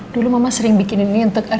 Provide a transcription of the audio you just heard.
dulu mama sering bikinin ini untuk er